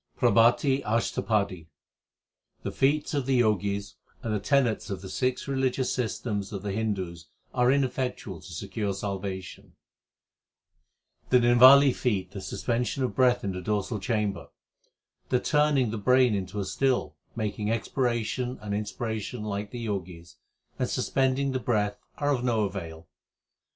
PRABHATI ASHTAPADI The feats of the Jogis and the tenets of the six religious systems of the Hindus are ineffectual to secure salvation : The niwali feat, 1 the suspension of breath in the dorsal chamber ; 2 the turning the brain into a still, making expiration and inspiration like the Jogis, and suspending the breath are of no avail.